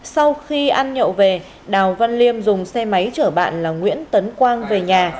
sau khi ăn nhậu về đào văn liêm dùng xe máy chở bạn là nguyễn tấn quang về nhà